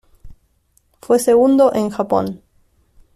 Fue segundo en Japón.